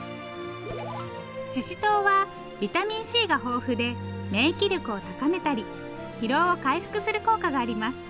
ししとうはビタミンＣが豊富で免疫力を高めたり疲労を回復する効果があります。